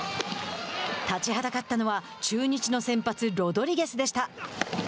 立ちはだかったのは中日の先発、ロドリゲスでした。